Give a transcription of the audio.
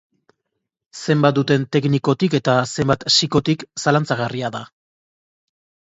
Zenbat duten teknikotik eta zenbat psiko-tik zalantzagarria da.